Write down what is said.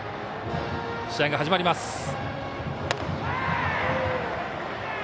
試合が始まります。